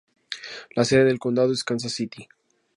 La sede del condado es Kansas City.